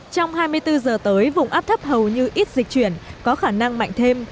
trong hai mươi bốn giờ tới vùng áp thấp hầu như ít dịch chuyển có khả năng mạnh thêm